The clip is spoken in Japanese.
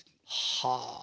はあ。